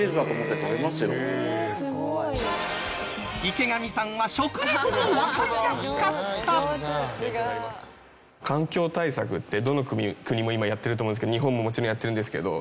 池上さんは環境対策ってどの国も今やってると思うんですけど日本ももちろんやってるんですけど。